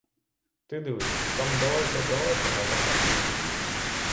Ти дивись, там далеко-далеко на дахах люди.